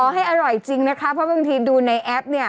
ให้อร่อยจริงนะคะเพราะบางทีดูในแอปเนี่ย